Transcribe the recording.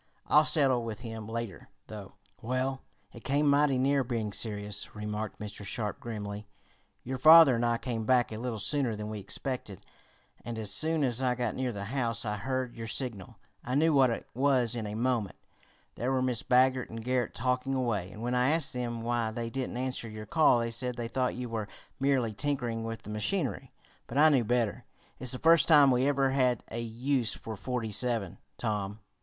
I'll settle with him later, though." "Well, it came mighty near being serious," remarked Mr. Sharp grimly. "Your father and I came back a little sooner than we expected, and as soon as I got near the house I heard your signal. I knew what it was in a moment. There were Mrs. Baggert and Garret talking away, and when I asked them why they didn't answer your call they said they thought you were merely tinkering with the machinery. But I knew better. It's the first time we ever had a use for 'forty seven,' Tom."